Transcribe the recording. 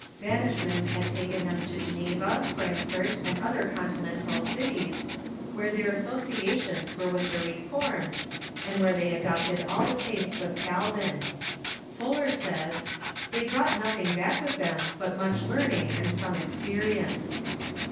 Banishment had taken them to Geneva, Frank fort, and other Continental cities, where their asso Controm*s^y ciations were with the Reformed, and where they adopted all the tastes of Calvin. Fuller says: "They brought nothing back with them but much learning and some experience."